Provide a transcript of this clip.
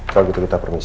kalau gitu kita permisi